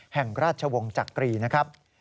แห่งราชวงศ์จักรีนะครับ